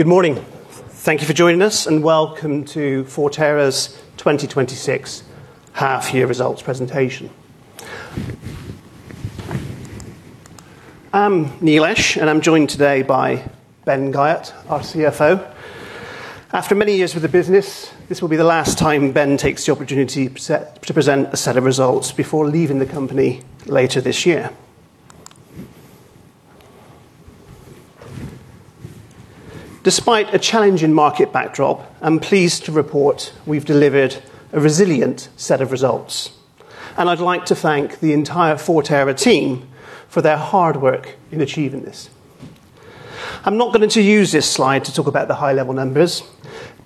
Good morning. Thank you for joining us, welcome to Forterra's 2026 half-year results presentation. I'm Neil Ash, and I'm joined today by Ben Guyatt, our CFO. After many years with the business, this will be the last time Ben takes the opportunity to present a set of results before leaving the company later this year. Despite a challenging market backdrop, I'm pleased to report we've delivered a resilient set of results, and I'd like to thank the entire Forterra team for their hard work in achieving this. I'm not going to use this slide to talk about the high-level numbers.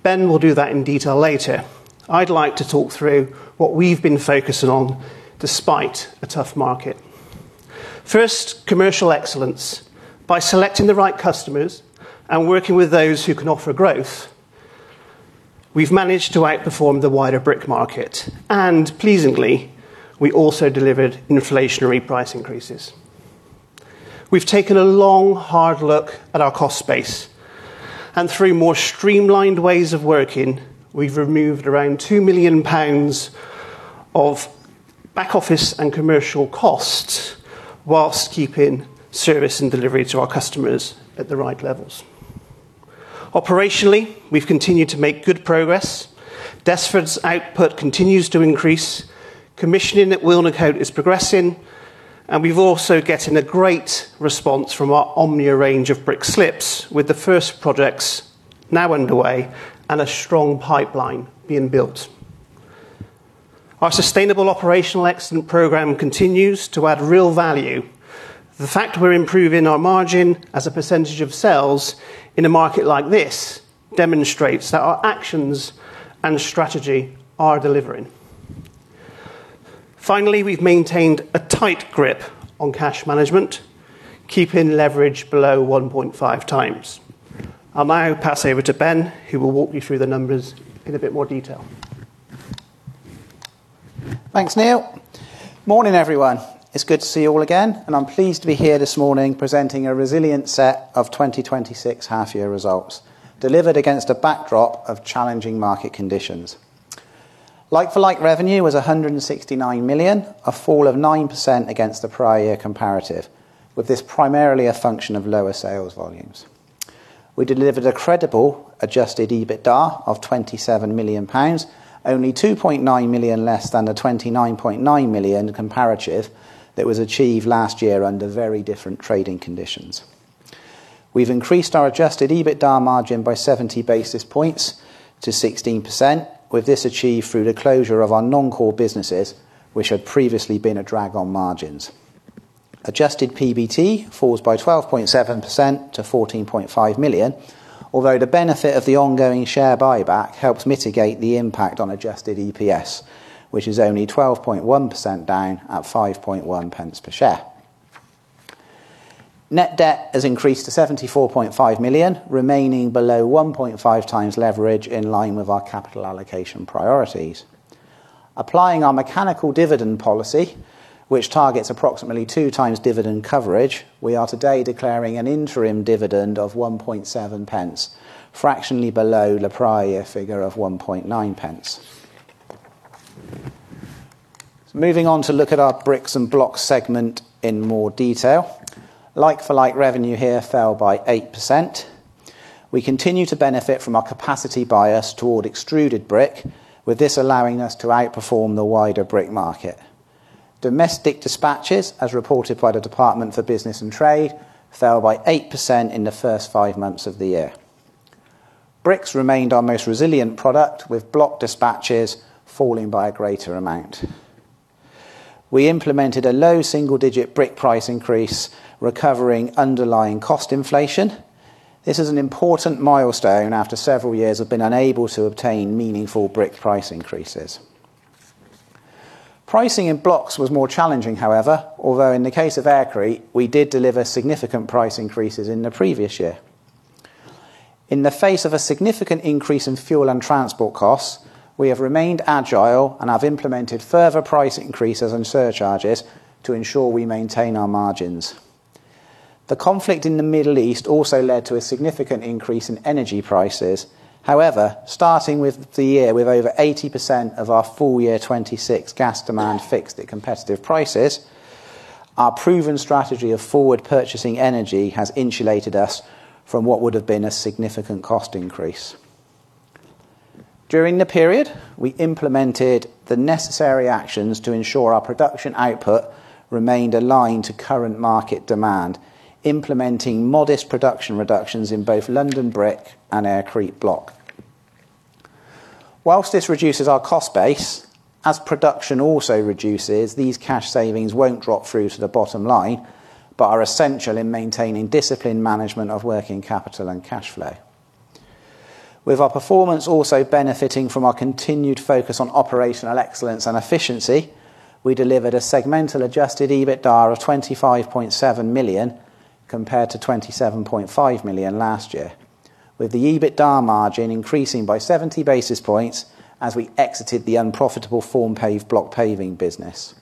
Ben will do that in detail later. I'd like to talk through what we've been focusing on despite a tough market. First, commercial excellence. By selecting the right customers and working with those who can offer growth, we've managed to outperform the wider brick market, pleasingly, we also delivered inflationary price increases. We've taken a long, hard look at our cost base, through more streamlined ways of working, we've removed around 2 million pounds of back-office and commercial costs whilst keeping service and delivery to our customers at the right levels. Operationally, we've continued to make good progress. Desford's output continues to increase. Commissioning at Wilnecote is progressing, we're also getting a great response from our Omnia range of brick slips, with the first projects now underway and a strong pipeline being built. Our sustainable operational excellent program continues to add real value. The fact we're improving our margin as a percentage of sales in a market like this demonstrates that our actions and strategy are delivering. Finally, we've maintained a tight grip on cash management, keeping leverage below 1.5x. I'll now pass over to Ben, who will walk you through the numbers in a bit more detail. Thanks, Neil. Morning, everyone. It's good to see you all again, I'm pleased to be here this morning presenting a resilient set of 2026 half-year results delivered against a backdrop of challenging market conditions. Like-for-like revenue was 169 million, a fall of 9% against the prior year comparative. With this primarily a function of lower sales volumes. We delivered a credible adjusted EBITDA of 27 million pounds, only 2.9 million less than the 29.9 million comparative that was achieved last year under very different trading conditions. We've increased our adjusted EBITDA margin by 70 basis points to 16%, with this achieved through the closure of our non-core businesses, which had previously been a drag on margins. Adjusted PBT falls by 12.7% to 14.5 million, although the benefit of the ongoing share buyback helps mitigate the impact on adjusted EPS, which is only 12.1% down at 0.051 per share. Net debt has increased to 74.5 million, remaining below 1.5x leverage in line with our capital allocation priorities. Applying our mechanical dividend policy, which targets approximately 2x dividend coverage, we are today declaring an interim dividend of 0.017, fractionally below the prior year figure of 0.019. Moving on to look at our bricks and blocks segment in more detail. Like-for-like revenue here fell by 8%. We continue to benefit from our capacity bias toward extruded brick, with this allowing us to outperform the wider brick market. Domestic dispatches, as reported by the Department for Business and Trade, fell by 8% in the first five months of the year. Bricks remained our most resilient product, with block dispatches falling by a greater amount. We implemented a low-single-digit brick price increase, recovering underlying cost inflation. This is an important milestone after several years of being unable to obtain meaningful brick price increases. Pricing in blocks was more challenging, however, although in the case of Aircrete, we did deliver significant price increases in the previous year. In the face of a significant increase in fuel and transport costs, we have remained agile and have implemented further price increases and surcharges to ensure we maintain our margins. The conflict in the Middle East also led to a significant increase in energy prices. Starting with the year with over 80% of our full-year 2026 gas demand fixed at competitive prices, our proven strategy of forward purchasing energy has insulated us from what would have been a significant cost increase. During the period, we implemented the necessary actions to ensure our production output remained aligned to current market demand, implementing modest production reductions in both London Brick and Aircrete block. Whilst this reduces our cost base, as production also reduces, these cash savings won't drop through to the bottom line, but are essential in maintaining disciplined management of working capital and cash flow. With our performance also benefiting from our continued focus on operational excellence and efficiency, we delivered a segmental adjusted EBITDA of 25.7 million, compared to 27.5 million last year. With the EBITDA margin increasing by 70 basis points as we exited the unprofitable Formpave block paving business.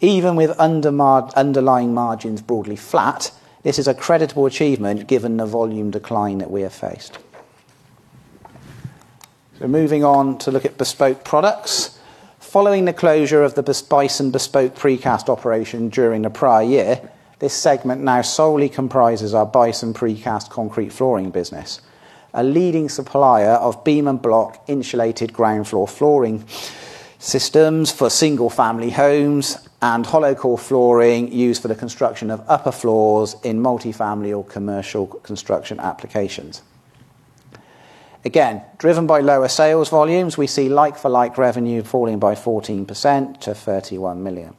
Even with underlying margins broadly flat, this is a creditable achievement given the volume decline that we have faced. Moving on to look at bespoke products. Following the closure of the Bison Bespoke precast operation during the prior year, this segment now solely comprises our Bison Precast concrete flooring business, a leading supplier of beam and block insulated ground floor flooring systems for single family homes and hollow core flooring used for the construction of upper floors in multifamily or commercial construction applications. Again, driven by lower sales volumes, we see like-for-like revenue falling by 14% to 31 million.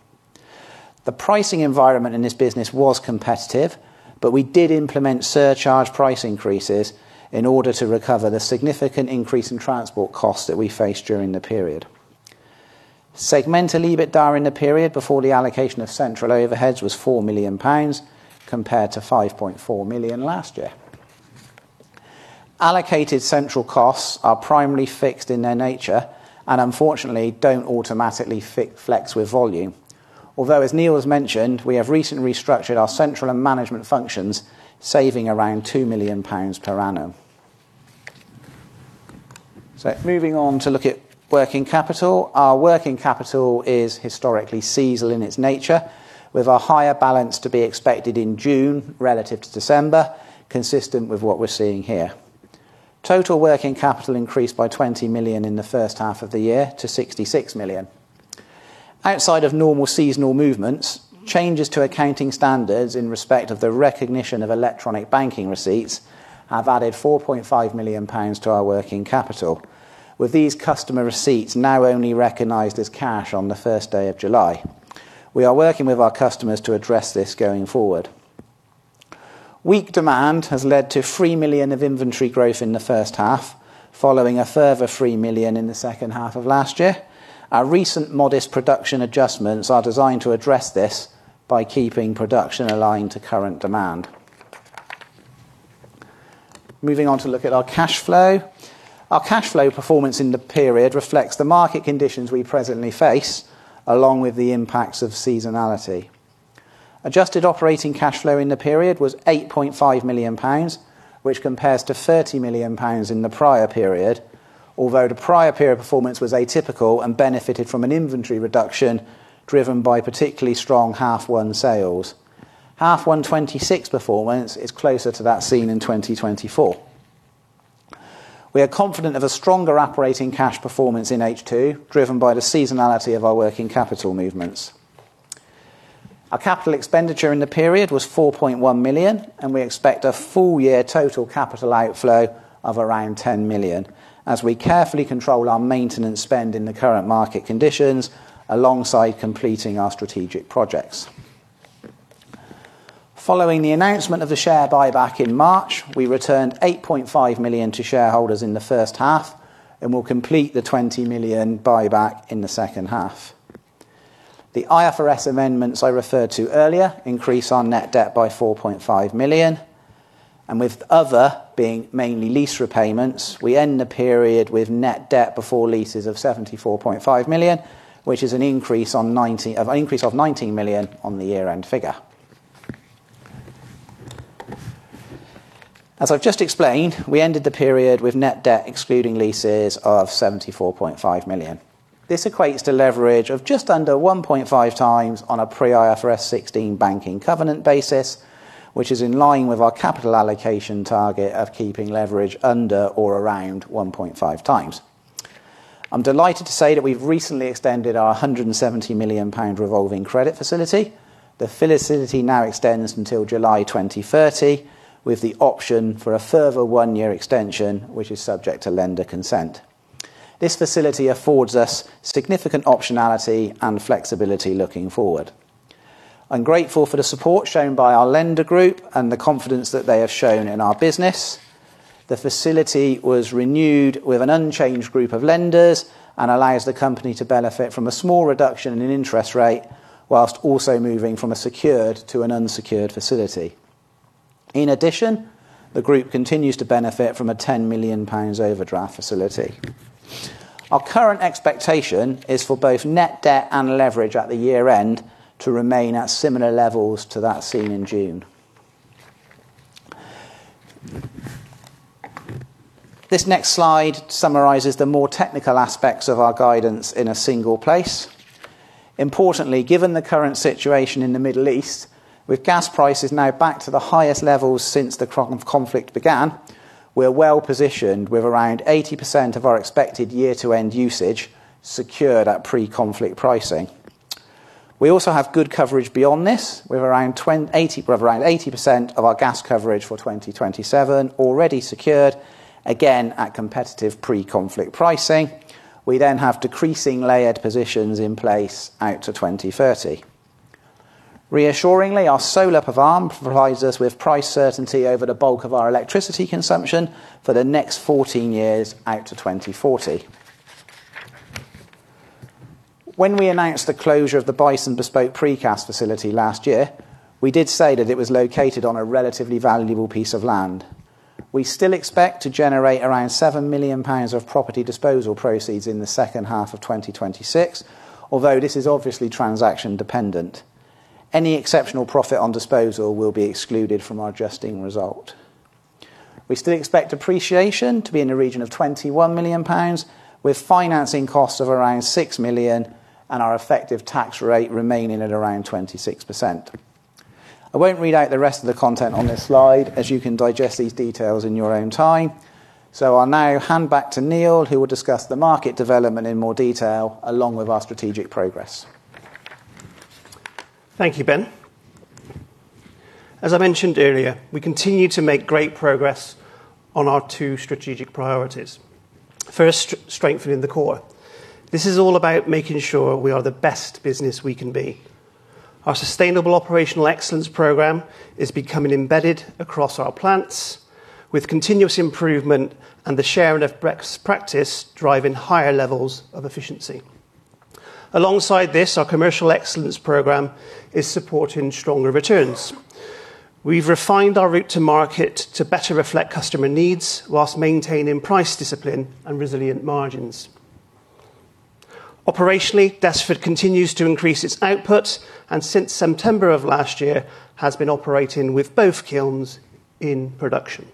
The pricing environment in this business was competitive, but we did implement surcharge price increases in order to recover the significant increase in transport costs that we faced during the period. Segmental EBITDAR in the period before the allocation of central overheads was 4 million pounds, compared to 5.4 million last year. Allocated central costs are primarily fixed in their nature and unfortunately don't automatically flex with volume. Although, as Neil has mentioned, we have recently restructured our central and management functions, saving around 2 million pounds per annum. Moving on to look at working capital. Our working capital is historically seasonal in its nature, with a higher balance to be expected in June relative to December, consistent with what we're seeing here. Total working capital increased by 20 million in the first half of the year to 66 million. Outside of normal seasonal movements, changes to accounting standards in respect of the recognition of electronic banking receipts have added 4.5 million pounds to our working capital. With these customer receipts now only recognized as cash on the first day of July. We are working with our customers to address this going forward. Weak demand has led to 3 million of inventory growth in the first half, following a further 3 million in the second half of last year. Our recent modest production adjustments are designed to address this by keeping production aligned to current demand. Moving on to look at our cash flow. Our cash flow performance in the period reflects the market conditions we presently face, along with the impacts of seasonality. Adjusted operating cash flow in the period was 8.5 million pounds, which compares to 30 million pounds in the prior period. Although the prior period performance was atypical and benefited from an inventory reduction driven by particularly strong half one sales. Half one 2026 performance is closer to that seen in 2024. We are confident of a stronger operating cash performance in H2, driven by the seasonality of our working capital movements. Our capital expenditure in the period was 4.1 million, and we expect a full year total capital outflow of around 10 million as we carefully control our maintenance spend in the current market conditions alongside completing our strategic projects. Following the announcement of the share buyback in March, we returned 8.5 million to shareholders in the first half, and will complete the 20 million buyback in the second half. The IFRS amendments I referred to earlier increase our net debt by 4.5 million, and with other being mainly lease repayments, we end the period with net debt before leases of 74.5 million, which is an increase of 19 million on the year-end figure. As I've just explained, we ended the period with net debt excluding leases of 74.5 million. This equates to leverage of just under 1.5x on a pre IFRS 16 banking covenant basis, which is in line with our capital allocation target of keeping leverage under or around 1.5x. I'm delighted to say that we've recently extended our 170 million pound revolving credit facility. The facility now extends until July 2030 with the option for a further one-year extension, which is subject to lender consent. This facility affords us significant optionality and flexibility looking forward. I'm grateful for the support shown by our lender group and the confidence that they have shown in our business. The facility was renewed with an unchanged group of lenders and allows the company to benefit from a small reduction in interest rate, whilst also moving from a secured to an unsecured facility. In addition, the group continues to benefit from a 10 million pounds overdraft facility. Our current expectation is for both net debt and leverage at the year-end to remain at similar levels to that seen in June. This next slide summarizes the more technical aspects of our guidance in a single place. Importantly, given the current situation in the Middle East, with gas prices now back to the highest levels since the conflict began, we are well positioned with around 80% of our expected year-to-end usage secured at pre-conflict pricing. We also have good coverage beyond this with around 80% of our gas coverage for 2027 already secured, again at competitive pre-conflict pricing. We then have decreasing layered positions in place out to 2030. Reassuringly, our solar PV arm provides us with price certainty over the bulk of our electricity consumption for the next 14 years out to 2040. When we announced the closure of the Bison Bespoke Precast facility last year, we did say that it was located on a relatively valuable piece of land. We still expect to generate around 7 million pounds of property disposal proceeds in the second half of 2026, although this is obviously transaction dependent. Any exceptional profit on disposal will be excluded from our adjusting result. We still expect appreciation to be in the region of 21 million pounds, with financing costs of around 6 million and our effective tax rate remaining at around 26%. I won't read out the rest of the content on this slide, as you can digest these details in your own time. I'll now hand back to Neil, who will discuss the market development in more detail, along with our strategic progress. Thank you, Ben. As I mentioned earlier, we continue to make great progress on our two strategic priorities. First, strengthening the core. This is all about making sure we are the best business we can be. Our sustainable operational excellence program is becoming embedded across our plants, with continuous improvement and the sharing of best practice driving higher levels of efficiency. Alongside this, our commercial excellence program is supporting stronger returns. We've refined our route to market to better reflect customer needs, whilst maintaining price discipline and resilient margins. Operationally, Desford continues to increase its output and since September of last year has been operating with both kilns in production.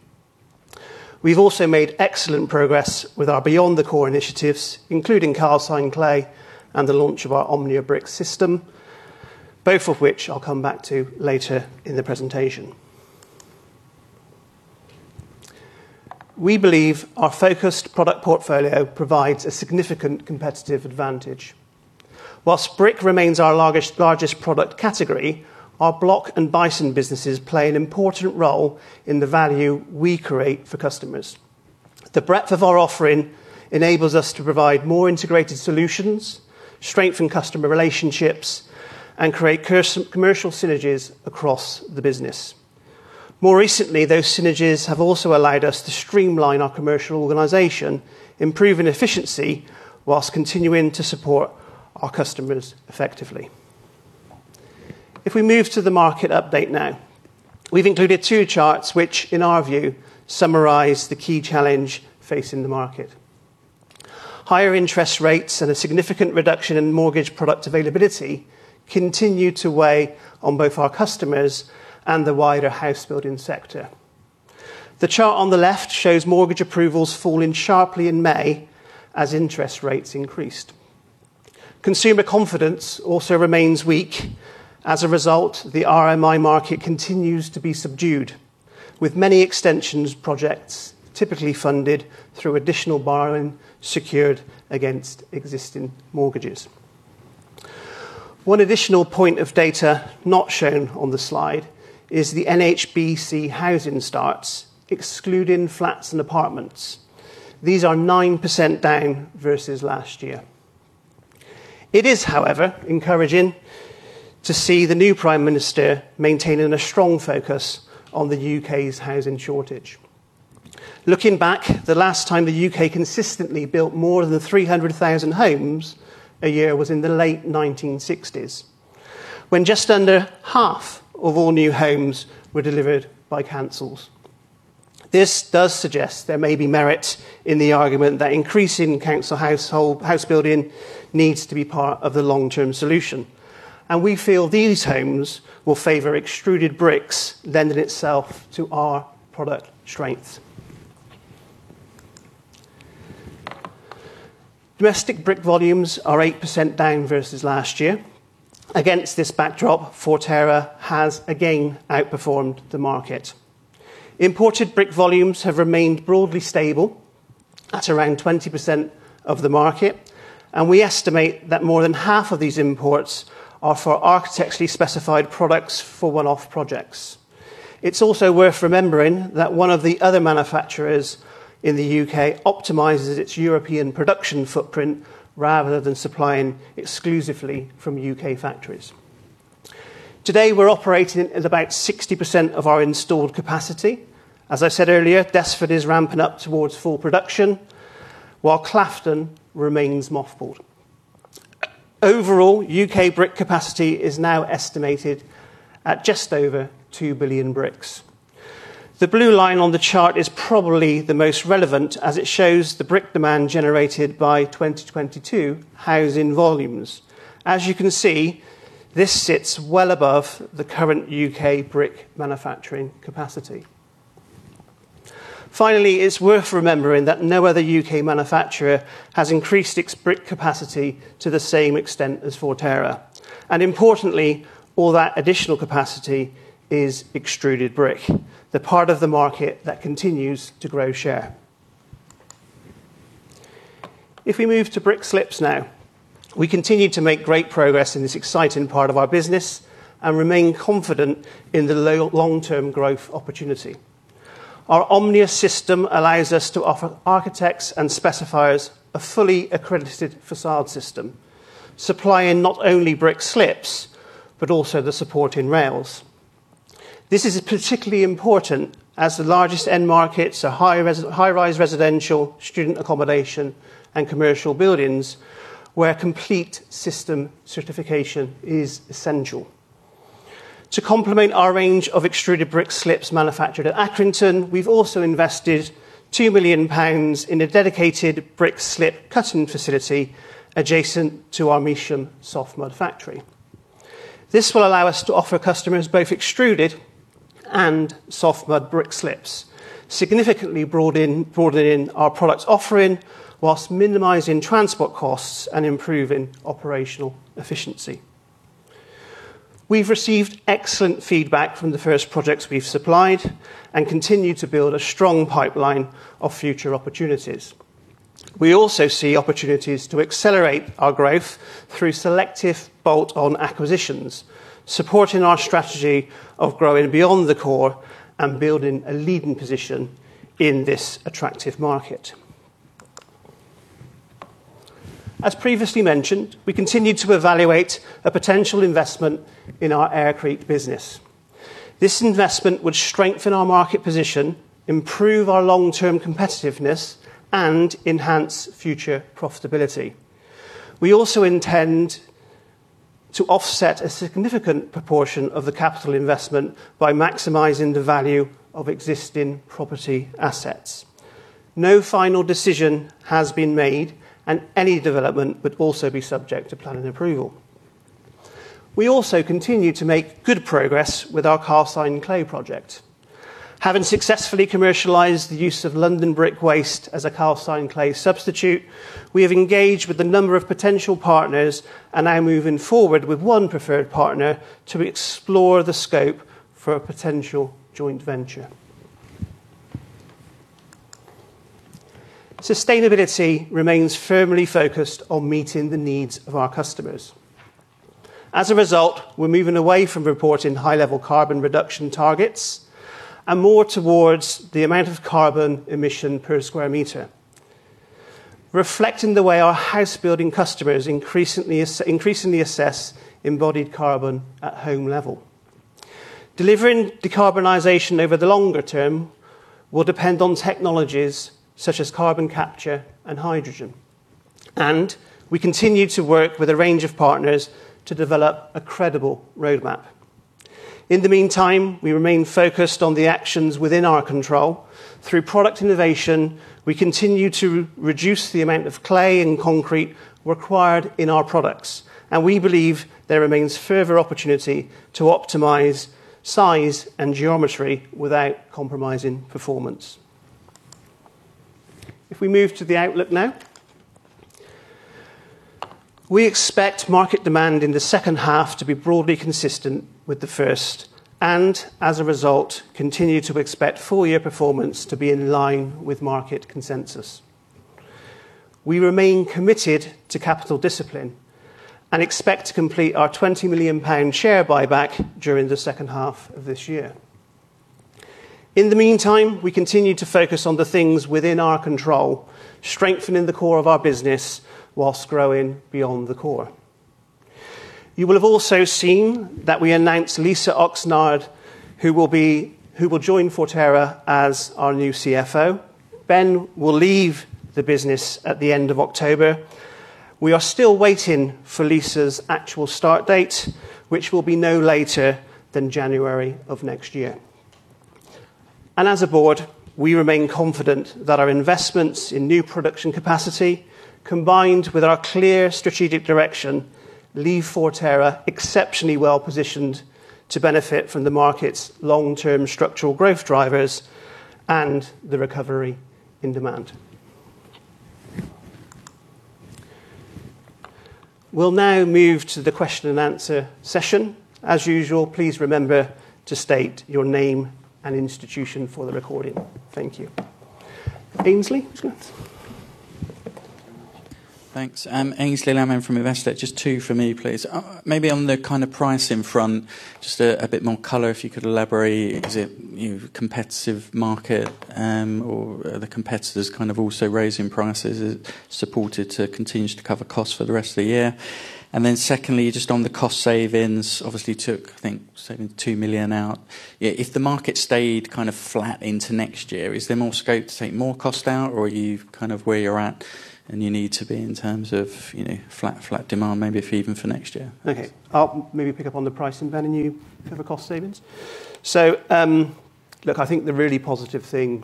We've also made excellent progress with our Beyond the Core initiatives, including calcined clay and the launch of our Omnia brick system, both of which I'll come back to later in the presentation. We believe our focused product portfolio provides a significant competitive advantage. Whilst brick remains our largest product category, our block and Bison businesses play an important role in the value we create for customers. The breadth of our offering enables us to provide more integrated solutions, strengthen customer relationships, and create commercial synergies across the business. More recently, those synergies have also allowed us to streamline our commercial organization, improving efficiency whilst continuing to support our customers effectively. If we move to the market update now, we've included two charts which, in our view, summarize the key challenge facing the market. Higher interest rates and a significant reduction in mortgage product availability continue to weigh on both our customers and the wider house building sector. The chart on the left shows mortgage approvals falling sharply in May as interest rates increased. Consumer confidence also remains weak. As a result, the RMI market continues to be subdued, with many extensions projects typically funded through additional borrowing secured against existing mortgages. One additional point of data not shown on the slide is the NHBC housing starts, excluding flats and apartments. These are 9% down versus last year. It is, however, encouraging to see the new prime minister maintaining a strong focus on the U.K.'s housing shortage. Looking back, the last time the U.K. consistently built more than 300,000 homes a year was in the late 1960s, when just under half of all new homes were delivered by councils. This does suggest there may be merit in the argument that increasing council house building needs to be part of the long-term solution, and we feel these homes will favor extruded bricks, lending itself to our product strength. Domestic brick volumes are 8% down versus last year. Against this backdrop, Forterra has again outperformed the market. Imported brick volumes have remained broadly stable at around 20% of the market, and we estimate that more than half of these imports are for architecturally specified products for one-off projects. It's also worth remembering that one of the other manufacturers in the U.K. optimizes its European production footprint rather than supplying exclusively from U.K. factories. Today, we're operating at about 60% of our installed capacity. As I said earlier, Desford is ramping up towards full production while Claughton remains mothballed. Overall, U.K. brick capacity is now estimated at just over 2 billion bricks. The blue line on the chart is probably the most relevant as it shows the brick demand generated by 2022 housing volumes. As you can see, this sits well above the current U.K. brick manufacturing capacity. It's worth remembering that no other U.K. manufacturer has increased its brick capacity to the same extent as Forterra, and importantly, all that additional capacity is extruded brick, the part of the market that continues to grow share. If we move to brick slips now, we continue to make great progress in this exciting part of our business and remain confident in the long-term growth opportunity. Our Omnia system allows us to offer architects and specifiers a fully accredited facade system, supplying not only brick slips, but also the supporting rails. This is particularly important as the largest end markets are high-rise residential, student accommodation, and commercial buildings, where complete system certification is essential. To complement our range of extruded brick slips manufactured at Accrington, we've also invested 2 million pounds in a dedicated brick slip cutting facility adjacent to our Measham soft mud factory. This will allow us to offer customers both extruded and soft mud brick slips, significantly broadening our products offering, whilst minimizing transport costs and improving operational efficiency. We've received excellent feedback from the first projects we've supplied and continue to build a strong pipeline of future opportunities. We also see opportunities to accelerate our growth through selective bolt-on acquisitions, supporting our strategy of growing beyond the core and building a leading position in this attractive market. As previously mentioned, we continue to evaluate a potential investment in our Aircrete business. This investment would strengthen our market position, improve our long-term competitiveness, and enhance future profitability. We also intend to offset a significant proportion of the capital investment by maximizing the value of existing property assets. No final decision has been made, and any development would also be subject to planning approval. We also continue to make good progress with our calcined clay project. Having successfully commercialized the use of London Brick waste as a calcined clay substitute, we have engaged with a number of potential partners and are moving forward with one preferred partner to explore the scope for a potential joint venture. Sustainability remains firmly focused on meeting the needs of our customers. As a result, we are moving away from reporting high-level carbon reduction targets, and more towards the amount of carbon emission per square meter, reflecting the way our house building customers increasingly assess embodied carbon at home level. Delivering decarbonization over the longer term will depend on technologies such as carbon capture and hydrogen, and we continue to work with a range of partners to develop a credible roadmap. In the meantime, we remain focused on the actions within our control. Through product innovation, we continue to reduce the amount of clay and concrete required in our products, we believe there remains further opportunity to optimize size and geometry without compromising performance. If we move to the outlook now. We expect market demand in the second half to be broadly consistent with the first, as a result, continue to expect full year performance to be in line with market consensus. We remain committed to capital discipline and expect to complete our 20 million pound share buyback during the second half of this year. In the meantime, we continue to focus on the things within our control, strengthening the core of our business whilst growing beyond the core. You will have also seen that we announced Lisa Oxenham, who will join Forterra as our new CFO. Ben will leave the business at the end of October. We are still waiting for Lisa's actual start date, which will be no later than January of next year. As a Board, we remain confident that our investments in new production capacity, combined with our clear strategic direction, leave Forterra exceptionally well-positioned to benefit from the market's long-term structural growth drivers and the recovery in demand. We will now move to the question and answer session. As usual, please remember to state your name and institution for the recording. Thank you. Aynsley. Thanks. Aynsley Lammin from Investec. Just two from me, please. Maybe on the pricing front, just a bit more color, if you could elaborate. Is it competitive market, or are the competitors also raising prices? Is it supported to continue to cover costs for the rest of the year? Secondly, just on the cost savings, obviously took, I think, saving 2 million out. If the market stayed flat into next year, is there more scope to take more cost out? Or are you where you are at and you need to be in terms of flat demand, maybe for even for next year? Okay. I'll maybe pick up on the pricing, Ben, and you cover cost savings? Look, I think the really positive thing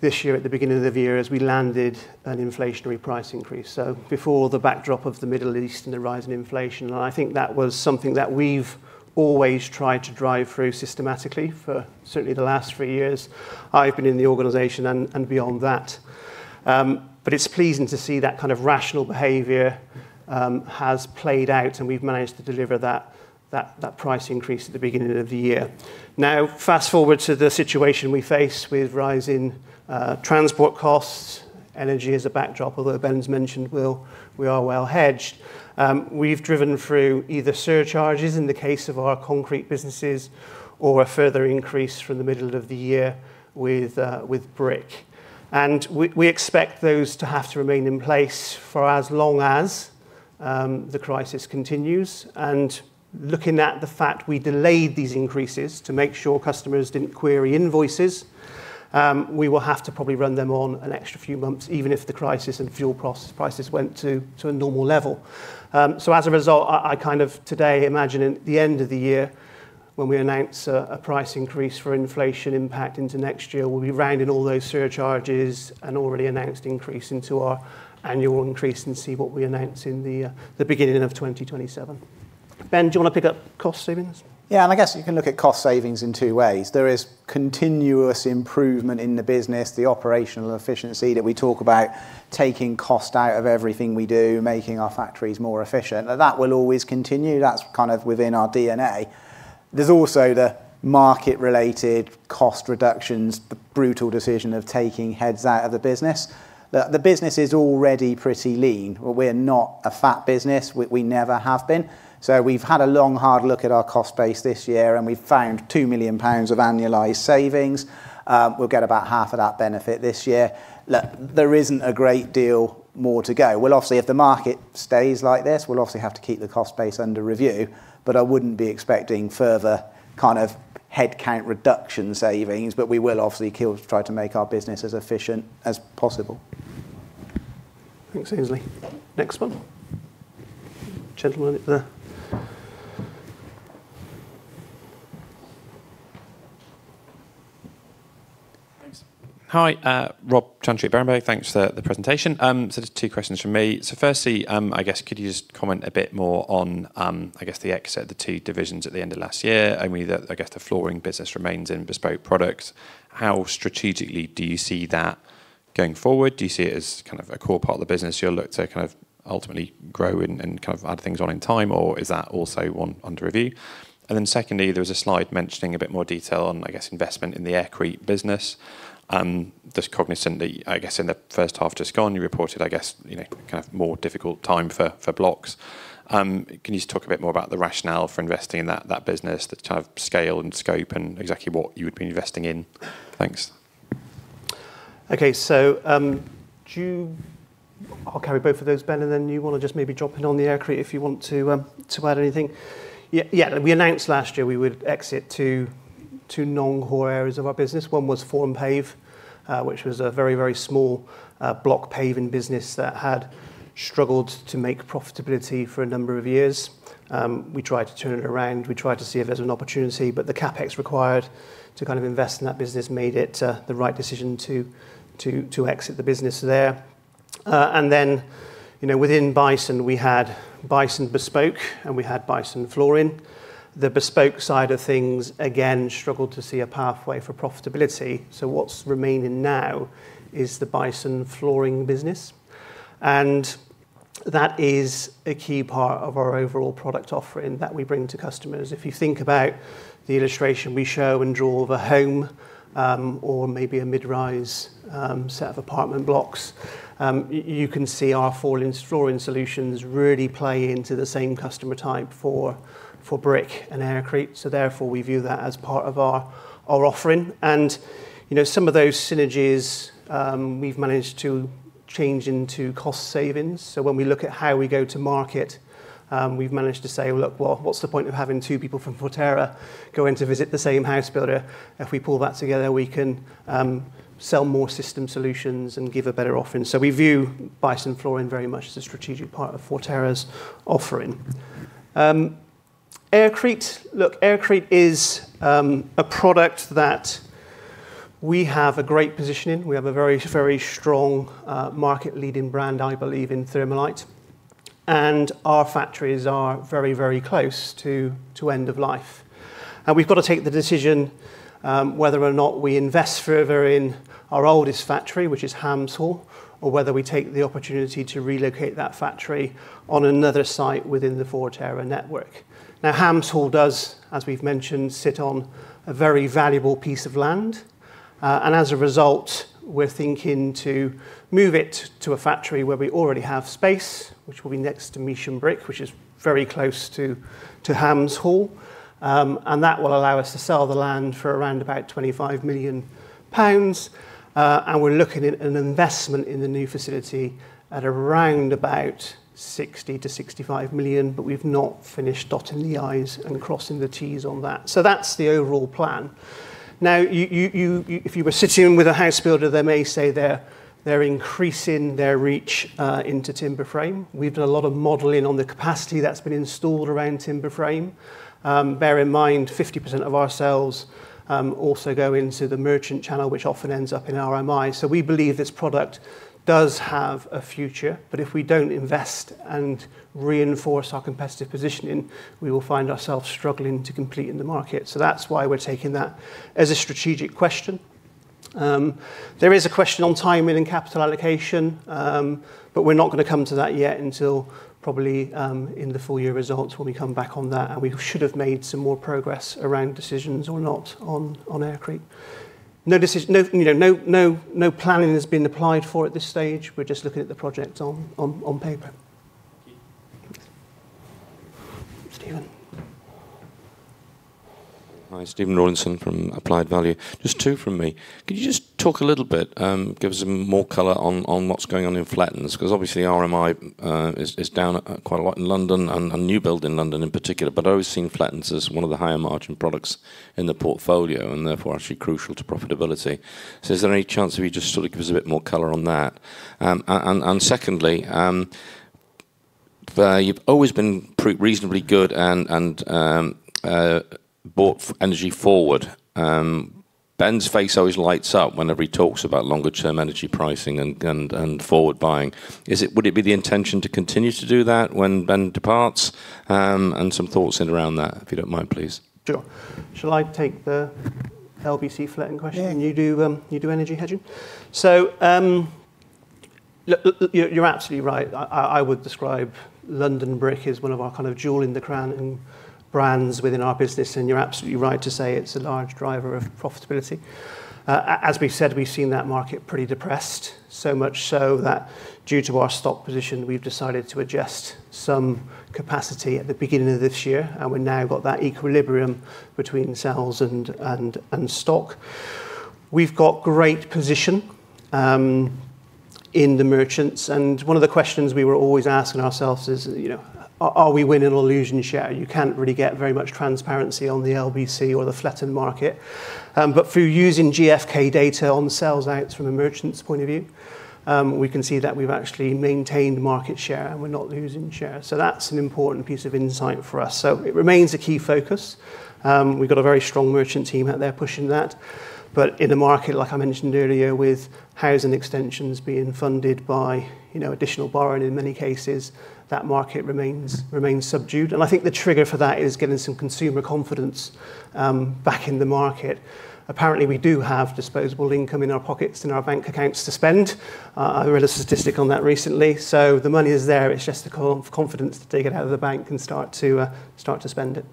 this year, at the beginning of the year, is we landed an inflationary price increase. Before the backdrop of the Middle East and the rise in inflation, I think that was something that we've always tried to drive through systematically for certainly the last three years I've been in the organization and beyond that. It's pleasing to see that kind of rational behavior has played out, and we've managed to deliver that price increase at the beginning of the year. Now, fast-forward to the situation we face with rise in transport costs, energy as a backdrop, although Ben's mentioned we are well hedged. We've driven through either surcharges in the case of our concrete businesses or a further increase from the middle of the year with brick. We expect those to have to remain in place for as long as the crisis continues, and looking at the fact we delayed these increases to make sure customers didn't query invoices. We will have to probably run them on an extra few months, even if the crisis and fuel prices went to a normal level. As a result, I today imagine at the end of the year, when we announce a price increase for inflation impact into next year, we'll be rounding all those surcharges and already announced increase into our annual increase and see what we announce in the beginning of 2027. Ben, do you want to pick up cost savings? I guess you can look at cost savings in two ways. There is continuous improvement in the business, the operational efficiency that we talk about, taking cost out of everything we do, making our factories more efficient. That will always continue. That's within our DNA. There's also the market related cost reductions, the brutal decision of taking heads out of the business. The business is already pretty lean. We're not a fat business. We never have been. We've had a long hard look at our cost base this year, and we've found 2 million pounds of annualized savings. We'll get about half of that benefit this year. There isn't a great deal more to go. If the market stays like this, we'll obviously have to keep the cost base under review, but I wouldn't be expecting further headcount reduction savings, but we will obviously try to make our business as efficient as possible. Thanks, Aynsley. Next one. Gentleman there. Thanks. Hi. Rob Chantry, Berenberg. Thanks for the presentation. Just two questions from me. Firstly, could you just comment a bit more on the exit of the two divisions at the end of last year. Only the flooring business remains in bespoke products. How strategically do you see that going forward? Do you see it as a core part of the business you'll look to ultimately grow and add things on in time, or is that also under review? Secondly, there was a slide mentioning a bit more detail on investment in the Aircrete business. Just cognizant that in the first half just gone, you reported more difficult time for blocks. Can you just talk a bit more about the rationale for investing in that business, the type of scale and scope and exactly what you would be investing in? Thanks. Okay. I'll carry both of those, Ben, and then you want to just maybe drop in on the Aircrete if you want to add anything. Yeah. We announced last year we would exit two non-core areas of our business. One was Formpave, which was a very, very small block paving business that had struggled to make profitability for a number of years. We tried to turn it around. We tried to see if there was an opportunity, but the CapEx required to invest in that business made it the right decision to exit the business there. Within Bison, we had Bison Bespoke and we had Bison Flooring. The bespoke side of things, again, struggled to see a pathway for profitability. What's remaining now is the Bison Flooring business, and that is a key part of our overall product offering that we bring to customers. If you think about the illustration we show and draw of a home, or maybe a mid-rise set of apartment blocks, you can see our flooring solutions really play into the same customer type for brick and Aircrete. Therefore, we view that as part of our offering. Some of those synergies, we've managed to change into cost savings. When we look at how we go to market, we've managed to say, look, well, what's the point of having two people from Forterra going to visit the same house builder? If we pull that together, we can sell more system solutions and give a better offering. We view Bison Flooring very much as a strategic part of Forterra's offering. Aircrete. Look, Aircrete is a product that we have a great position in. We have a very, very strong, market leading brand, I believe, in Thermalite, and our factories are very, very close to end of life. We've got to take the decision whether or not we invest further in our oldest factory, which is Hams Hall, or whether we take the opportunity to relocate that factory on another site within the Forterra network. Hams Hall does, as we've mentioned, sit on a very valuable piece of land. As a result, we're thinking to move it to a factory where we already have space, which will be next to Measham Brick, which is very close to Hams Hall. That will allow us to sell the land for around about 25 million pounds. We're looking at an investment in the new facility at around about 60 million-65 million, but we've not finished dotting the i's and crossing the t's on that. That's the overall plan. If you were sitting with a house builder, they may say they're increasing their reach into timber frame. We've done a lot of modeling on the capacity that's been installed around timber frame. Bear in mind, 50% of our sales also go into the merchant channel, which often ends up in RMI. We believe this product does have a future. If we don't invest and reinforce our competitive positioning, we will find ourselves struggling to compete in the market. That's why we're taking that as a strategic question. There is a question on timing and capital allocation, but we're not going to come to that yet until probably in the full-year results when we come back on that, and we should have made some more progress around decisions or not on Aircrete. No planning has been applied for at this stage. We're just looking at the project on paper. Stephen Hi, Stephen Rawlinson from Applied Value. Just two from me. Could you just talk a little bit, give us more color on what's going on in Flettons? RMI is down quite a lot in London and new build in London in particular, I've always seen Flettons as one of the higher margin products in the portfolio, and therefore actually crucial to profitability. Is there any chance if you just give us a bit more color on that? Secondly, you've always been reasonably good and bought energy forward. Ben's face always lights up whenever he talks about longer term energy pricing and forward buying. Would it be the intention to continue to do that when Ben departs? Some thoughts in around that, if you don't mind, please. Sure. Shall I take the LBC Fletton question? Yeah. You do energy hedging? You're absolutely right. I would describe London Brick as one of our jewel in the crown brands within our business, and you're absolutely right to say it's a large driver of profitability. As we've said, we've seen that market pretty depressed, so much so that due to our stock position, we've decided to adjust some capacity at the beginning of this year, and we've now got that equilibrium between sales and stock. We've got great position in the merchants, and one of the questions we were always asking ourselves is, are we winning or losing share? You can't really get very much transparency on the LBC or the Fletton market. Through using GfK data on sales outs from a merchant's point of view, we can see that we've actually maintained market share, and we're not losing share. That's an important piece of insight for us. It remains a key focus. We've got a very strong merchant team out there pushing that. In the market, like I mentioned earlier, with housing extensions being funded by additional borrowing in many cases, that market remains subdued. I think the trigger for that is getting some consumer confidence back in the market. Apparently, we do have disposable income in our pockets and our bank accounts to spend. I read a statistic on that recently. The money is there. It's just the confidence to take it out of the bank and start to spend it.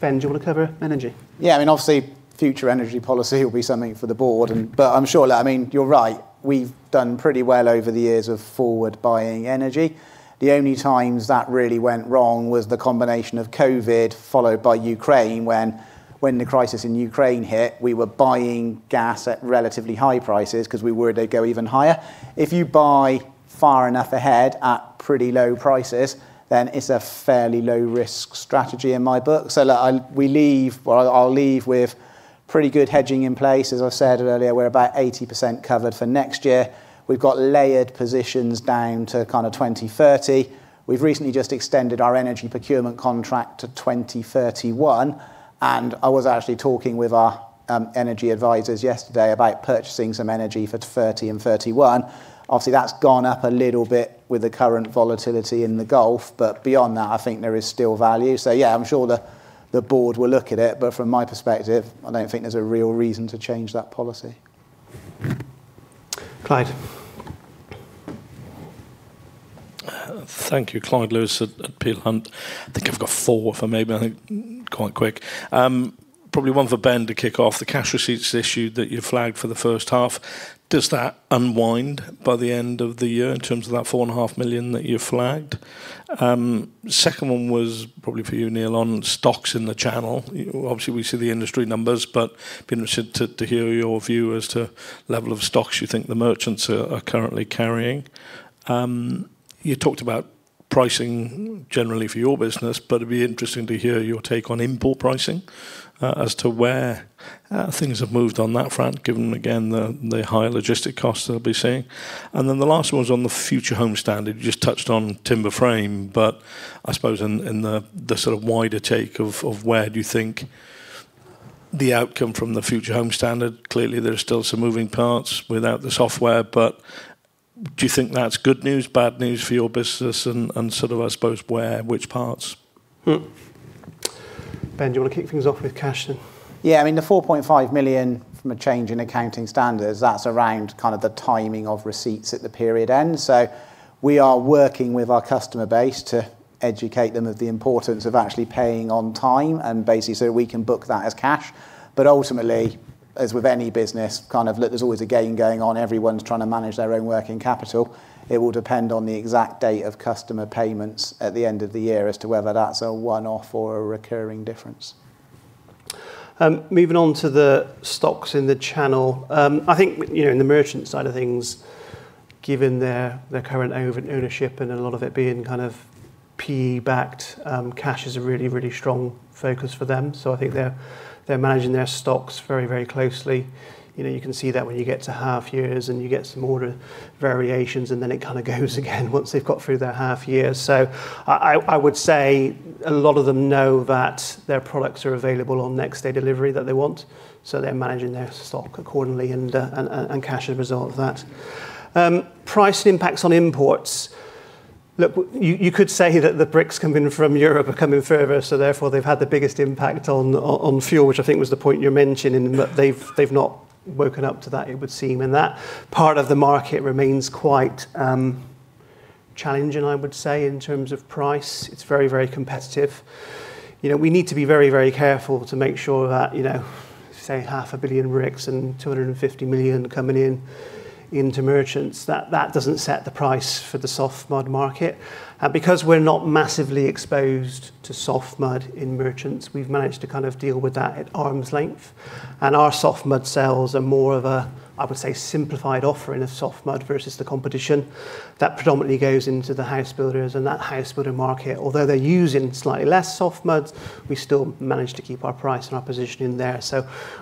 Ben, do you want to cover energy? Obviously, future energy policy will be something for the Board. I'm sure, you're right. We've done pretty well over the years of forward buying energy. The only times that really went wrong was the combination of COVID, followed by Ukraine. When the crisis in Ukraine hit, we were buying gas at relatively high prices because we were worried they'd go even higher. If you buy far enough ahead at pretty low prices, it's a fairly low risk strategy in my book. Look, I'll leave with pretty good hedging in place. As I said earlier, we're about 80% covered for next year. We've got layered positions down to kind of 2030. We've recently just extended our energy procurement contract to 2031, and I was actually talking with our energy advisors yesterday about purchasing some energy for 2030 and 2031. Obviously, that's gone up a little bit with the current volatility in the Gulf. Beyond that, I think there is still value. Yeah, I'm sure the Board will look at it, from my perspective, I don't think there's a real reason to change that policy. Clyde Thank you. Clyde Lewis at Peel Hunt. I think I've got four for maybe, I think quite quick. Probably one for Ben to kick off. The cash receipts issue that you flagged for the first half, does that unwind by the end of the year in terms of that 4.5 million that you flagged? Second one was probably for you, Neil, on stocks in the channel. Obviously, we see the industry numbers, be interested to hear your view as to level of stocks you think the merchants are currently carrying. You talked about pricing generally for your business, it'd be interesting to hear your take on import pricing as to where things have moved on that front, given, again, the higher logistic costs that we'll be seeing. The last one was on the Future Homes Standard. You just touched on timber frame, I suppose in the sort of wider take of where do you think the outcome from the Future Homes Standard, clearly, there are still some moving parts without the software, do you think that's good news, bad news for your business and sort of, I suppose, where, which parts? Ben, do you want to kick things off with cash then? Yeah, the 4.5 million from a change in accounting standards, that's around kind of the timing of receipts at the period end. We are working with our customer base to educate them of the importance of actually paying on time and basically so we can book that as cash. Ultimately, as with any business, kind of look, there's always a game going on. Everyone's trying to manage their own working capital. It will depend on the exact date of customer payments at the end of the year as to whether that's a one-off or a recurring difference. Moving on to the stocks in the channel. I think in the merchant side of things, given their current ownership and a lot of it being kind of PE-backed, cash is a really, really strong focus for them. I think they're managing their stocks very, very closely. You can see that when you get to half years, and you get some order variations, and then it kind of goes again once they've got through their half year. I would say a lot of them know that their products are available on next day delivery that they want. They're managing their stock accordingly and cash as a result of that. Price impacts on imports. Look, you could say that the bricks coming from Europe are coming further, therefore they've had the biggest impact on fuel, which I think was the point you're mentioning, that they've not woken up to that, it would seem. That part of the market remains quite challenging, I would say, in terms of price. It's very, very competitive. We need to be very, very careful to make sure that, say 500,000 bricks and 250 million coming in into merchants, that doesn't set the price for the soft mud market. We're not massively exposed to soft mud in merchants, we've managed to kind of deal with that at arm's length. Our soft mud sales are more of a, I would say, simplified offer in a soft mud versus the competition that predominantly goes into the house builders and that house builder market. Although they're using slightly less soft muds, we still manage to keep our price and our position in there.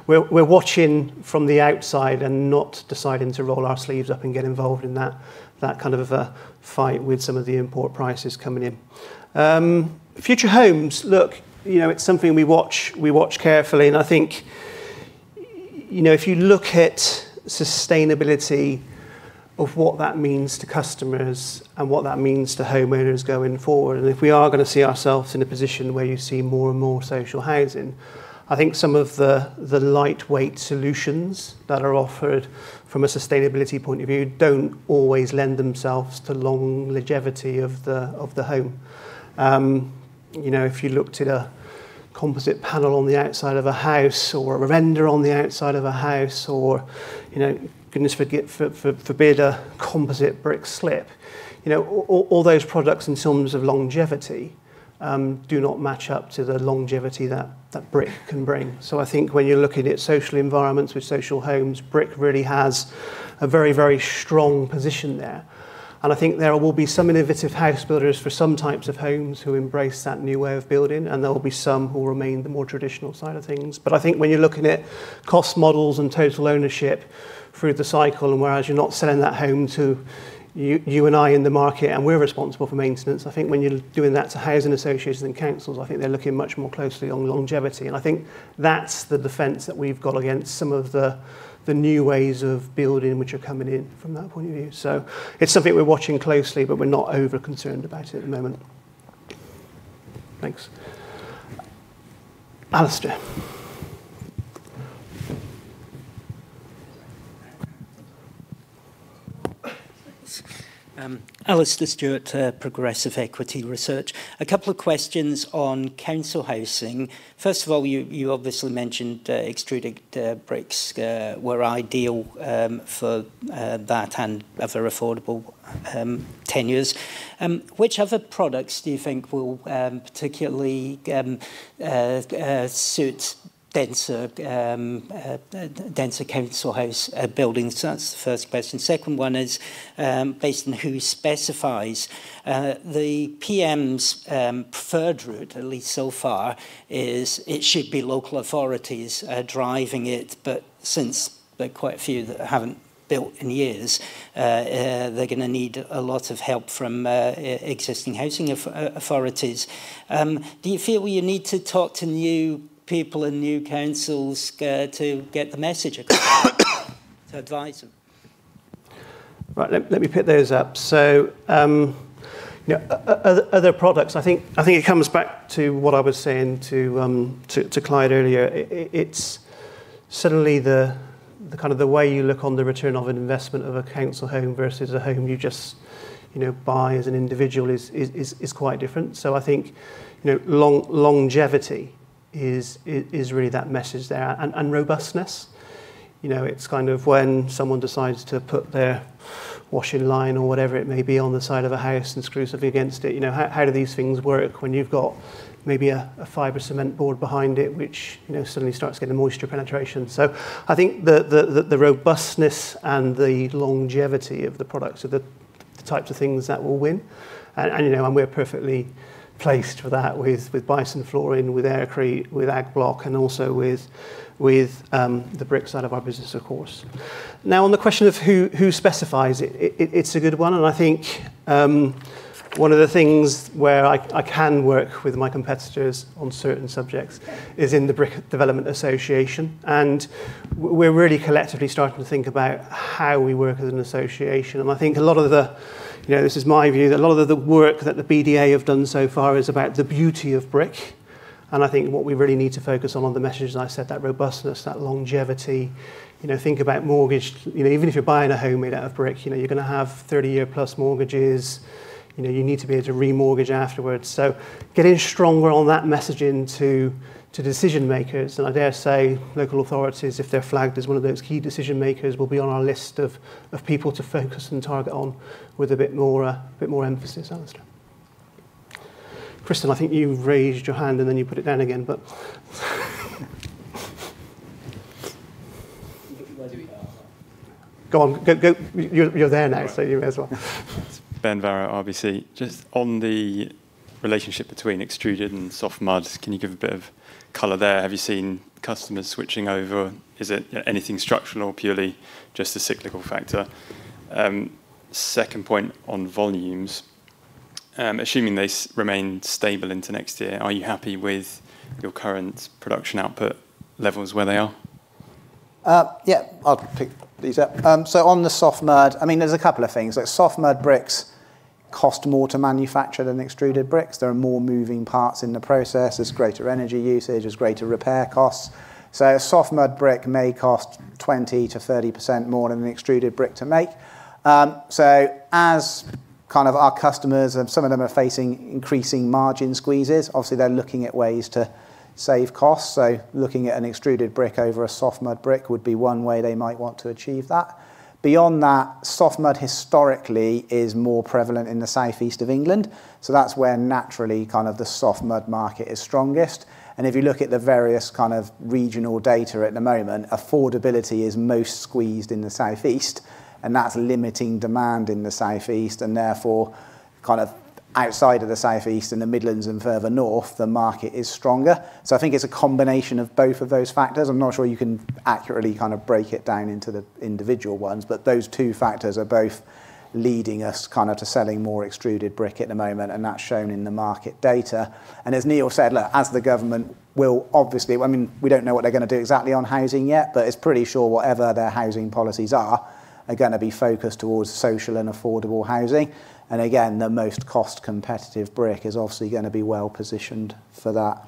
We're watching from the outside and not deciding to roll our sleeves up and get involved in that kind of a fight with some of the import prices coming in. Future homes. Look, it's something we watch carefully, and I think, if you look at sustainability, of what that means to customers and what that means to homeowners going forward, and if we are going to see ourselves in a position where you see more and more social housing, I think some of the lightweight solutions that are offered from a sustainability point of view don't always lend themselves to long longevity of the home. If you looked at a composite panel on the outside of a house or a render on the outside of a house or, goodness forbid, a composite brick slip. All those products in terms of longevity, do not match up to the longevity that brick can bring. I think when you're looking at social environments with social homes, brick really has a very strong position there. I think there will be some innovative house builders for some types of homes who embrace that new way of building, and there will be some who remain the more traditional side of things. I think when you're looking at cost models and total ownership through the cycle, and whereas you're not selling that home to you and I in the market, and we're responsible for maintenance, I think when you're doing that to housing associations and councils, I think they're looking much more closely on longevity. I think that's the defense that we've got against some of the new ways of building which are coming in from that point of view. It's something we're watching closely, but we're not over concerned about it at the moment. Thanks. Alastair. Alastair Stewart, Progressive Equity Research. A couple of questions on council housing. First of all, you obviously mentioned extruded bricks were ideal for that and other affordable tenures. Which other products do you think will particularly suit denser council house buildings? That's the first question. Second one is, based on who specifies, the PM's preferred route, at least so far, is it should be local authorities driving it, but since there are quite a few that haven't built in years, they're going to need a lot of help from existing housing authorities. Do you feel you need to talk to new people and new councils to get the message across to advise them? Right. Let me pick those up. Other products, I think it comes back to what I was saying to Clyde earlier. It is suddenly the way you look on the return of an investment of a council home versus a home you just buy as an individual is quite different. I think longevity is really that message there. Robustness. It is kind of when someone decides to put their washing line or whatever it may be on the side of a house and screws it against it. How do these things work when you have got maybe a fiber cement board behind it, which suddenly starts getting moisture penetration. I think the robustness and the longevity of the products are the types of things that will win. We are perfectly placed for that with Bison Flooring, with Aircrete, with agg Block, and also with the bricks side of our business, of course. On the question of who specifies it is a good one, and I think one of the things where I can work with my competitors on certain subjects is in the Brick Development Association. We are really collectively starting to think about how we work as an association. I think a lot of the, this is my view, that a lot of the work that the BDA have done so far is about the beauty of brick. I think what we really need to focus on the message, as I said, that robustness, that longevity, think about mortgage. Even if you are buying a home made out of brick, you are going to have 30-year-plus mortgages. You need to be able to remortgage afterwards. Getting stronger on that messaging to decision-makers. I dare say local authorities, if they are flagged as one of those key decision makers, will be on our list of people to focus and target on with a bit more emphasis. Alastair. Christen, I think you have raised your hand and then you put it down again. Where do we go? Go on. You're there now, so you may as well. It's Ben Barrow, RBC. Just on the relationship between extruded and soft muds, can you give a bit of color there? Have you seen customers switching over? Is it anything structural or purely just a cyclical factor? Second point on volumes. Assuming they remain stable into next year, are you happy with your current production output levels where they are? Yeah. I'll pick these up. On the soft mud, there's a couple of things. Soft mud bricks cost more to manufacture than extruded bricks. There are more moving parts in the process. There's greater energy usage. There's greater repair costs. A soft mud brick may cost 20%-30% more than an extruded brick to make. Kind of our customers, some of them are facing increasing margin squeezes. Obviously, they're looking at ways to save costs. Looking at an extruded brick over a soft mud brick would be one way they might want to achieve that. Beyond that, soft mud historically is more prevalent in the southeast of England. That's where naturally kind of the soft mud market is strongest. If you look at the various kind of regional data at the moment, affordability is most squeezed in the southeast, and that's limiting demand in the southeast and therefore kind of outside of the southeast, in the Midlands and further north, the market is stronger. I think it's a combination of both of those factors. I'm not sure you can accurately kind of break it down into the individual ones, but those two factors are both leading us kind of to selling more extruded brick at the moment, and that's shown in the market data. As Neil said, look, as the government will obviously. We don't know what they're going to do exactly on housing yet, but it's pretty sure whatever their housing policies are going to be focused towards social and affordable housing. Again, the most cost competitive brick is obviously going to be well-positioned for that.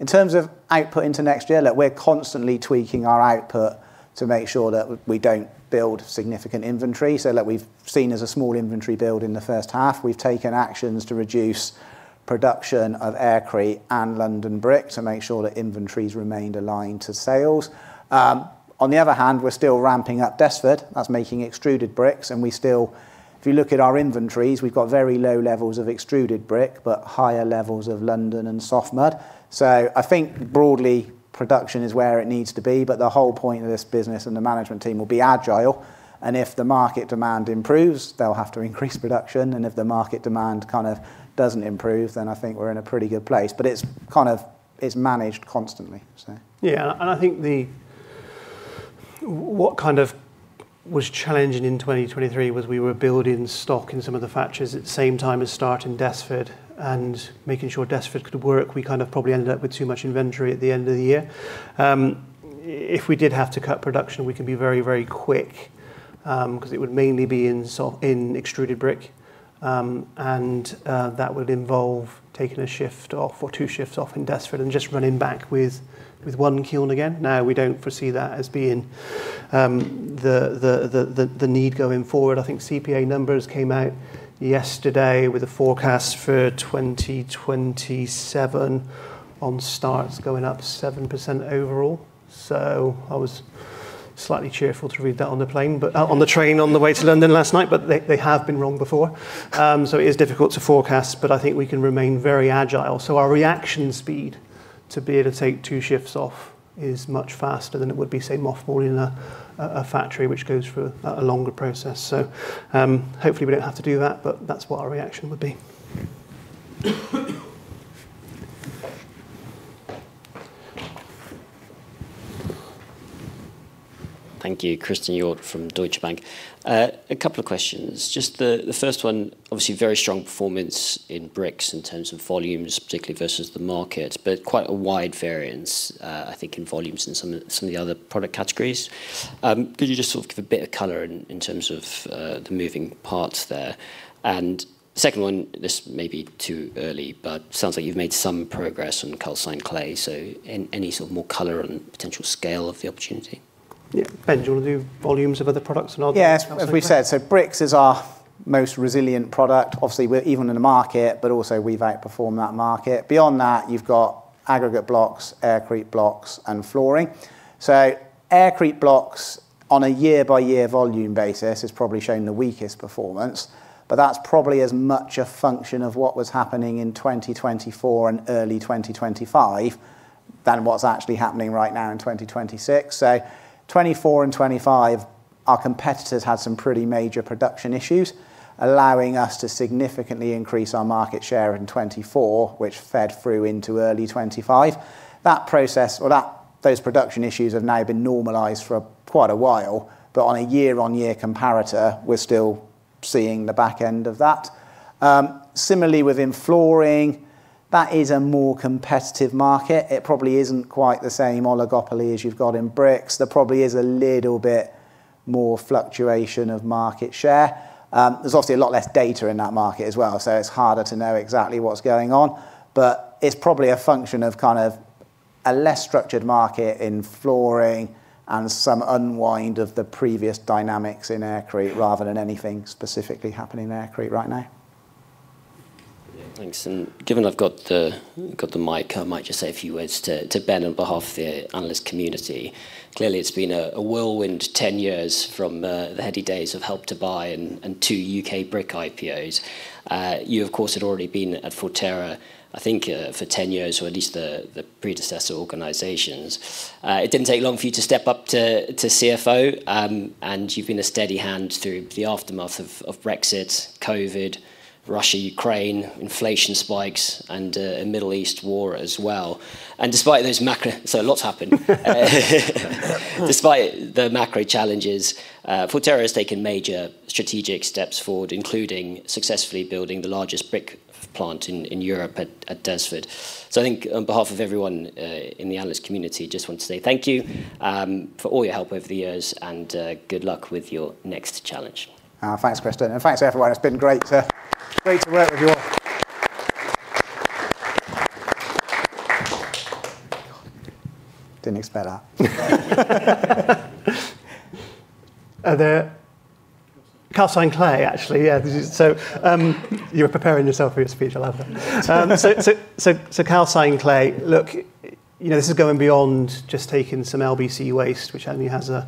In terms of output into next year, look, we're constantly tweaking our output to make sure that we don't build significant inventory. Look, we've seen as a small inventory build in the first half. We've taken actions to reduce production of Aircrete and London Brick to make sure that inventories remained aligned to sales. On the other hand, we're still ramping-up Desford, that's making extruded bricks, and we still, if you look at our inventories, we've got very low levels of extruded brick, but higher levels of London and soft mud. I think broadly production is where it needs to be, the whole point of this business and the management team will be agile. If the market demand improves, they'll have to increase production. If the market demand kind of doesn't improve, I think we're in a pretty good place. It's managed constantly. I think what kind of was challenging in 2023 was we were building stock in some of the factories at the same time as starting Desford and making sure Desford could work. We kind of probably ended up with too much inventory at the end of the year. If we did have to cut production, we can be very, very quick, because it would mainly be in extruded brick. That would involve taking a shift off or two shifts off in Desford and just running back with one kiln again. Now we don't foresee that as being the need going forward. I think CPA numbers came out yesterday with a forecast for 2027 on starts going up 7% overall. I was slightly cheerful to read that on the plane, on the train on the way to London last night, they have been wrong before. It is difficult to forecast, but I think we can remain very agile. Our reaction speed to be able to take two shifts off is much faster than it would be, say, mothballing a factory, which goes for a longer process. Hopefully we don't have to do that, but that's what our reaction would be. Thank you. Christen Hjorth from Deutsche Bank. A couple of questions. Just the first one, obviously very strong performance in bricks in terms of volumes, particularly versus the market, but quite a wide variance, I think in volumes in some of the other product categories. Could you just sort of give a bit of color in terms of the moving parts there? Second one, this may be too early, but sounds like you've made some progress on calcined clay, so any sort of more color on potential scale of the opportunity? Yeah. Ben, do you want to do volumes of other products? Yeah. As we said, bricks is our most resilient product. Obviously we're even in the market, but also we've outperformed that market. Beyond that, you've got aggregate blocks, aircrete blocks, and flooring. Aircrete blocks on a year-by-year volume basis has probably shown the weakest performance, but that's probably as much a function of what was happening in 2024 and early 2025 than what's actually happening right now in 2026. 2024 and 2025, our competitors had some pretty major production issues, allowing us to significantly increase our market share in 2024, which fed through into early 2025. That process or those production issues have now been normalized for quite a while, but on a year-on-year comparator, we're still seeing the back end of that. Similarly within flooring, that is a more competitive market. It probably isn't quite the same oligopoly as you've got in bricks. There probably is a little bit more fluctuation of market share. There's obviously a lot less data in that market as well, so it's harder to know exactly what's going on. It's probably a function of kind of a less structured market in flooring and some unwind of the previous dynamics in aircrete rather than anything specifically happening in aircrete right now. Thanks. Given I've got the mic, I might just say a few words to Ben on behalf of the analyst community. Clearly, it's been a whirlwind 10 years from the heady days of Help to Buy and two U.K. brick IPOs. You, of course, had already been at Forterra, I think for 10 years, or at least the predecessor organizations. It didn't take long for you to step up to CFO. You've been a steady hand through the aftermath of Brexit, COVID, Russia, Ukraine, inflation spikes, and a Middle East war as well. Despite those macro, a lot's happened. Despite the macro challenges, Forterra has taken major strategic steps forward, including successfully building the largest brick plant in Europe at Desford. I think on behalf of everyone in the analyst community, just want to say thank you for all your help over the years and good luck with your next challenge. Thanks, Christen, and thanks everyone. It's been great to work with you all. Didn't expect that. The calcined clay, actually. You were preparing yourself for your speech. I love that. Calcined clay. Look, this is going beyond just taking some LBC waste, which only has a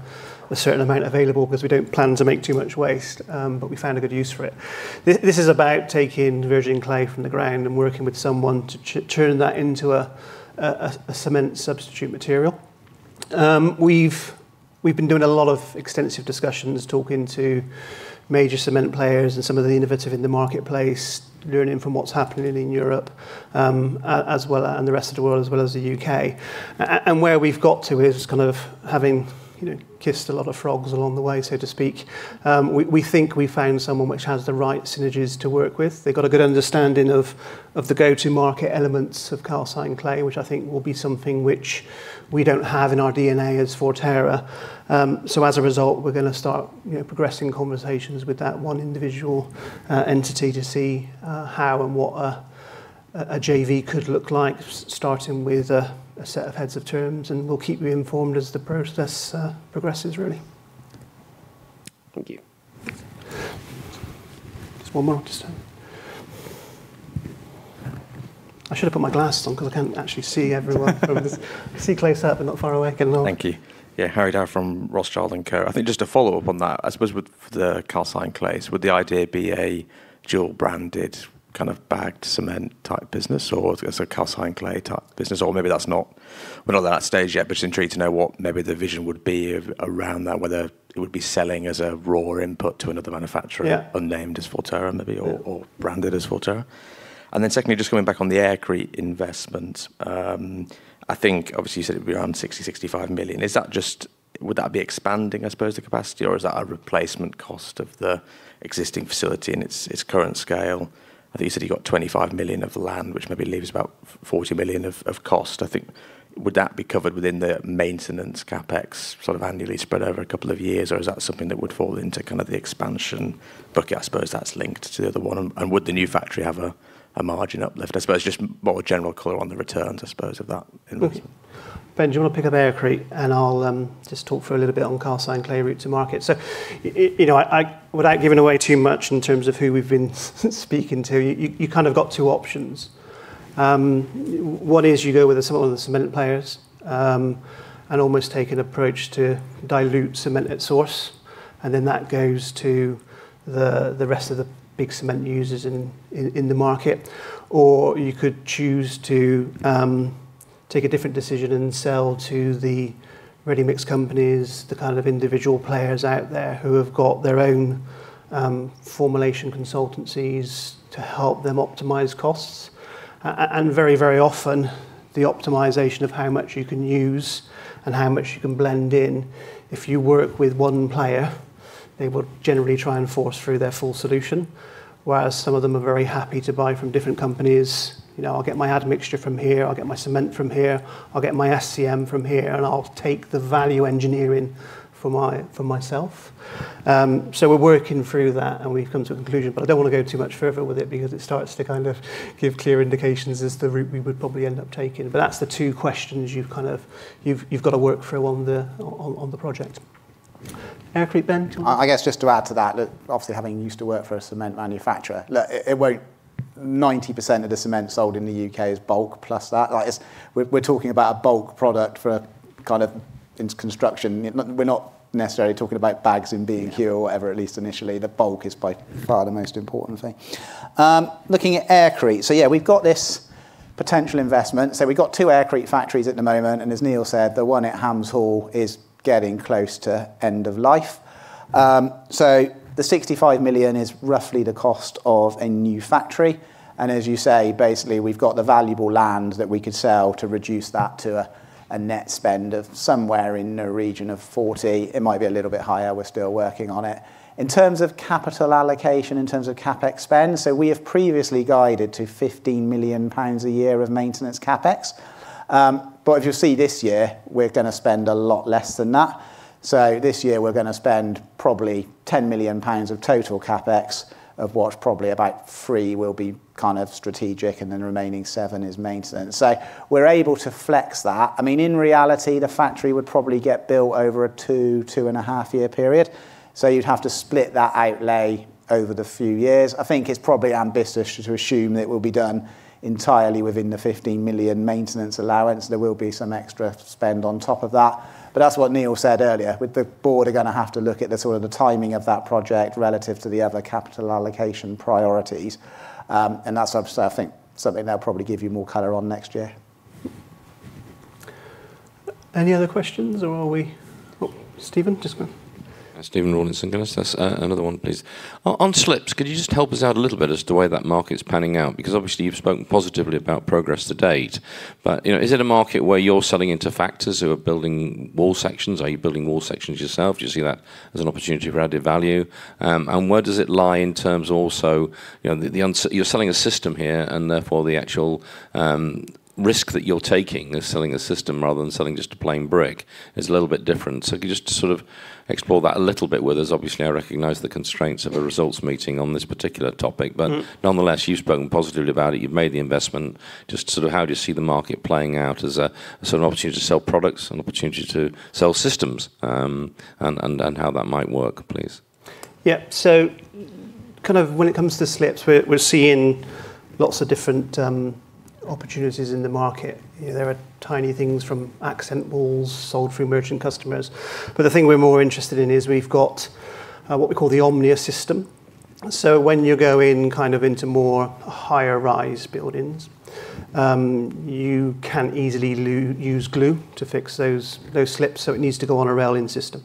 certain amount available because we don't plan to make too much waste, but we found a good use for it. This is about taking virgin clay from the ground and working with someone to turn that into a cement substitute material. We've been doing a lot of extensive discussions, talking to major cement players and some of the innovative in the marketplace, learning from what's happening in Europe, and the rest of the world, as well as the U.K. Where we've got to is kind of having kissed a lot of frogs along the way, so to speak. We think we found someone which has the right synergies to work with. They've got a good understanding of the go-to market elements of calcined clay, which I think will be something which we don't have in our DNA as Forterra. As a result, we're going to start progressing conversations with that one individual entity to see how and what a JV could look like, starting with a set of heads of terms, and we'll keep you informed as the process progresses really. Thank you. Just one more this time. I should have put my glasses on because I can't actually see everyone from this. I see close up, but not far away, can I? Thank you. Yeah, Harry Dow from Rothschild & Co. I think just to follow up on that, I suppose, with the calcined clays, would the idea be a dual branded kind of bagged cement type business or as a calcined clay type business? Maybe we're not at that stage yet, but just intrigued to know what maybe the vision would be around that, whether it would be selling as a raw input to another manufacturer? Yeah unnamed as Forterra maybe, or branded as Forterra. Secondly, just coming back on the Aircrete investment. I think obviously you said it'd be around 60 million-65 million. Would that be expanding, I suppose, the capacity or is that a replacement cost of the existing facility in its current scale? I think you said you got 25 million of land, which maybe leaves about 40 million of cost, I think. Would that be covered within the maintenance CapEx sort of annually spread over a couple of years, or is that something that would fall into kind of the expansion bucket? I suppose that's linked to the other one. Would the new factory have a margin uplift? I suppose just more general color on the returns, I suppose, of that investment. Ben, do you want to pick up Aircrete, I'll just talk for a little bit on calcined clay route to market. Without giving away too much in terms of who we've been speaking to, you kind of got two options. One is you go with some of the cement players, almost take an approach to dilute cement at source, that goes to the rest of the big cement users in the market. You could choose to take a different decision and sell to the ready-mix companies, the kind of individual players out there who have got their own formulation consultancies to help them optimize costs. Very often, the optimization of how much you can use and how much you can blend in, if you work with one player, they will generally try and force through their full solution, whereas some of them are very happy to buy from different companies. I'll get my admixture from here, I'll get my cement from here, I'll get my SCM from here, I'll take the value engineering for myself. We're working through that, we've come to a conclusion, I don't want to go too much further with it because it starts to kind of give clear indications as to the route we would probably end up taking. That's the two questions you've got to work through on the project. Aircrete, Ben, do you want to? I guess just to add to that, obviously having used to work for a cement manufacturer, look, 90% of the cement sold in the U.K. is bulk plus that. We're talking about a bulk product for kind of in construction. We're not necessarily talking about bags and being here or whatever, at least initially. The bulk is by far the most important thing. Looking at Aircrete. Yeah, we've got this potential investment. We've got two Aircrete factories at the moment, as Neil said, the one at Hams Hall is getting close to end of life. The 65 million is roughly the cost of a new factory. As you say, basically, we've got the valuable land that we could sell to reduce that to a net spend of somewhere in the region of 40 million. It might be a little bit higher, we're still working on it. In terms of capital allocation, in terms of CapEx spend, We have previously guided to 15 million pounds a year of maintenance CapEx. As you see this year, we're going to spend a lot less than that. This year, we're going to spend probably 10 million pounds of total CapEx, of what probably about 3 million will be kind of strategic, and then the remaining 7 million is maintenance. We're able to flex that. In reality, the factory would probably get built over a two and a half year period. You'd have to split that outlay over the few years. I think it's probably ambitious to assume that it will be done entirely within the 15 million maintenance allowance. There will be some extra spend on top of that. That's what Neil said earlier, with the Board are going to have to look at the sort of the timing of that project relative to the other capital allocation priorities. That's obviously, I think, something they'll probably give you more color on next year. Any other questions, or are we Stephen, just go on. Stephen Rawlinson, can I just ask another one, please? On slips, could you just help us out a little bit as to the way that market is panning out? Obviously you've spoken positively about progress to date, but is it a market where you're selling into factors who are building wall sections? Are you building wall sections yourself? Do you see that as an opportunity for added value? Where does it lie in terms also, you're selling a system here, and therefore the actual risk that you're taking of selling a system rather than selling just a plain brick is a little bit different. If you could just sort of explore that a little bit with us. Obviously, I recognize the constraints of a results meeting on this particular topic. Nonetheless, you've spoken positively about it. You've made the investment. Just sort of how do you see the market playing out as an opportunity to sell products, an opportunity to sell systems, and how that might work, please? When it comes to slips, we're seeing lots of different opportunities in the market. There are tiny things from accent walls sold through merchant customers. The thing we're more interested in is we've got what we call the Omnia system. When you go into more higher-rise buildings, you can't easily use glue to fix those slips, so it needs to go on a railing system.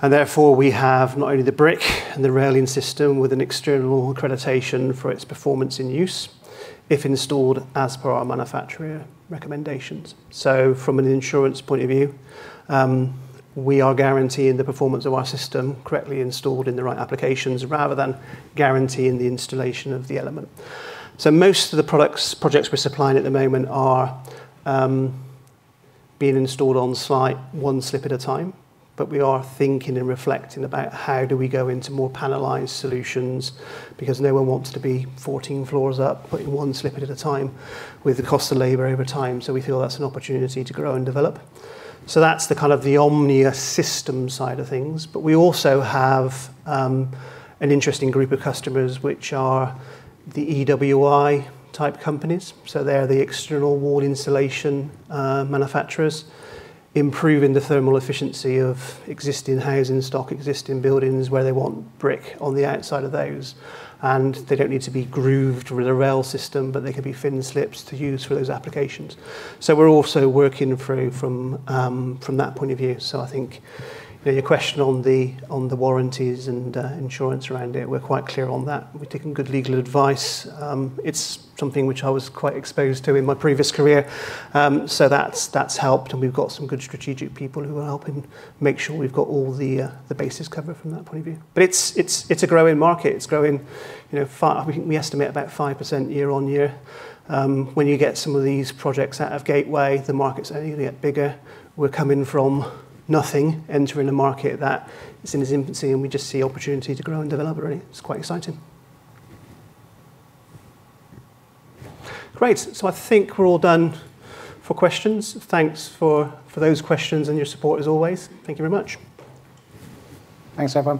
Therefore, we have not only the brick and the railing system with an external accreditation for its performance and use if installed as per our manufacturer recommendations. From an insurance point of view, we are guaranteeing the performance of our system correctly installed in the right applications rather than guaranteeing the installation of the element. Most of the projects we're supplying at the moment are being installed on site one slip at a time. We are thinking and reflecting about how do we go into more panelized solutions, because no one wants to be 14 floors up putting one slip at a time with the cost of labor over time. We feel that's an opportunity to grow and develop. That's the kind of the Omnia system side of things. We also have an interesting group of customers, which are the EWI-type companies. They're the external wall insulation manufacturers, improving the thermal efficiency of existing housing stock, existing buildings where they want brick on the outside of those, and they don't need to be grooved with a rail system, but they can be thin slips to use for those applications. We're also working through from that point of view. I think your question on the warranties and insurance around it, we're quite clear on that. We've taken good legal advice. It's something which I was quite exposed to in my previous career, that's helped, and we've got some good strategic people who are helping make sure we've got all the bases covered from that point of view. It's a growing market. It's growing, we estimate about 5% year-on-year. When you get some of these projects out of gateway, the market's only going to get bigger. We're coming from nothing, entering a market that is in its infancy, and we just see opportunity to grow and develop, really. It's quite exciting. Great. I think we're all done for questions. Thanks for those questions and your support as always. Thank you very much. Thanks, everyone